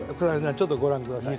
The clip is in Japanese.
ちょっとご覧下さい。